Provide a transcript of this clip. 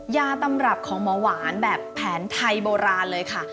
ยาตำรับของหมอหวานแบบแผนไทยโบราณเลยค่ะ